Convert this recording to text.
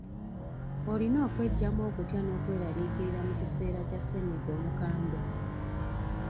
Olina okweggyamu okutya n’okweraliikira mu kiseera kya ssennyiga omukambwe.